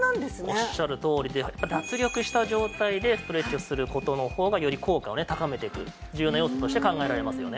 おっしゃるとおりで脱力した状態でストレッチをする事の方がより効果をね高めていく重要な要素として考えられますよね。